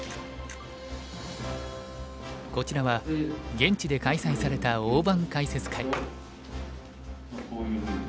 こちらは現地で開催された大盤解説会。